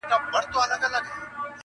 له ستړیا له بېخوبیه لکه مړی؛